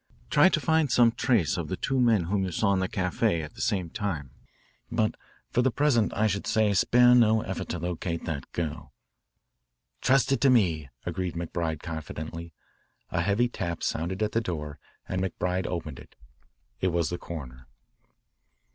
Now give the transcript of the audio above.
Try to find some trace of the two men whom you saw in the caf=82 at the same time. But for the present I should say spare no effort to locate that girl." "Trust it to me," agreed McBride confidently. A heavy tap sounded at the door and McBride opened it. It was the coroner.